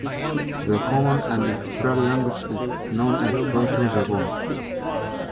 The common ancestral language is known as Proto-Japonic.